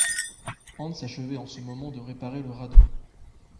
Hans achevait en ce moment de réparer le radeau.